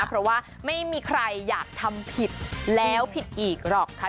เพราะว่าไม่มีใครอยากทำผิดแล้วผิดอีกหรอกค่ะ